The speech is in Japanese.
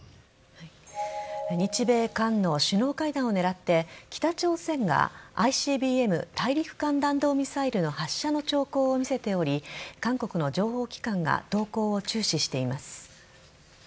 日米韓の首脳会談を狙って北朝鮮がＩＣＢＭ＝大陸間弾道ミサイルの発射の兆候を見せており韓国の情報機関が動向を注視しています。